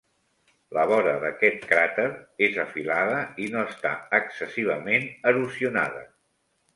La vora d'aquest cràter és afilada i no està excessivament erosionada.